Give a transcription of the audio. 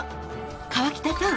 川北さん